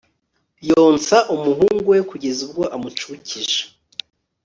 yonsa umuhungu we kugeza ubwo amucukije